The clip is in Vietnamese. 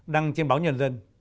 đăng trên báo nhân dân